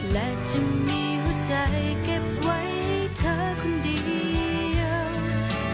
และจะมีหัวใจเก็บไว้เธอคนเดียว